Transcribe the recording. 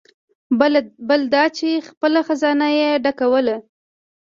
بل دا چې خپله خزانه یې ډکول.